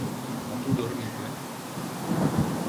Ha tu dormite?